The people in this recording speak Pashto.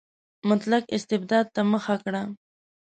مطلق استبداد ته مخه کړه.